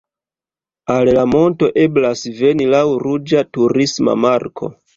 Al la monto eblas veni laŭ ruĝa turisma marko.